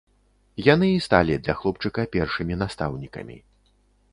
Яны і сталі для хлопчыка першымі настаўнікамі.